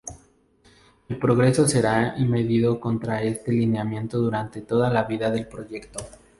El progreso será medido contra este lineamiento durante toda la vida del proyecto.